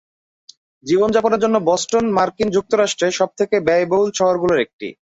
জীবনযাপনের জন্য বস্টন মার্কিন যুক্তরাষ্ট্রের সবচেয়ে ব্যয়বহুল শহরগুলির একটি।